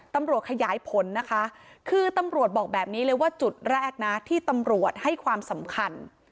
ตำรวจขยายผลนะคะคือตำรวจบอกแบบนี้เลยว่าจุดแรกนะที่ตำรวจให้ความสำคัญ